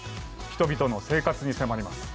人々の生活に迫ります。